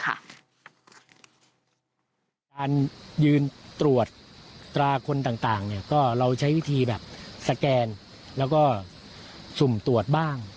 การยืนตรวจตราคนต่างเนี่ยก็เราใช้วิธีแบบสแกนแล้วก็สุ่มตรวจบ้าง